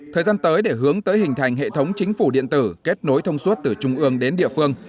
thời gian tới để hướng tới hình thành hệ thống chính phủ điện tử kết nối thông suốt từ trung ương đến địa phương